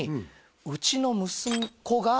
「うちの息子が」